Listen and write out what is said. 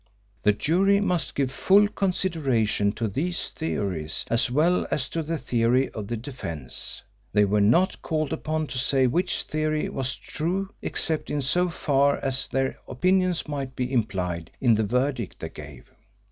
The jury must give full consideration to these theories as well as to the theory of the defence. They were not called upon to say which theory was true except in so far as their opinions might be implied in the verdict they gave.